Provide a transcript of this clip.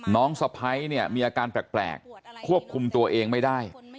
สะพ้ายเนี่ยมีอาการแปลกควบคุมตัวเองไม่ได้